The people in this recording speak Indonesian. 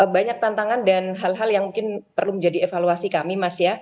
banyak tantangan dan hal hal yang mungkin perlu menjadi evaluasi kami mas ya